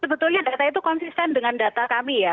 sebetulnya data itu konsisten dengan data kami ya